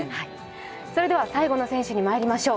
それでは、最後の選手にまいりましょう。